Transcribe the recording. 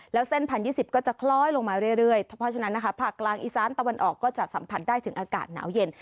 แล้วเส้น๑๐๒๐ก็จะคล้อยลงมาเรื่อยเพราะฉะนั้นนะคะภาคกลางอีสานตะวันออกก็จะสัมผัสได้ถึงอากาศหนาวเย็น